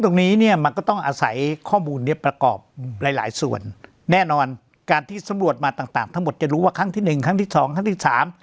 ตรงนี้เนี่ยมันก็ต้องอาศัยข้อมูลเนี้ยประกอบหลายหลายส่วนแน่นอนการที่สำรวจมาต่างต่างทั้งหมดจะรู้ว่าครั้งที่หนึ่งครั้งที่สองครั้งที่สาม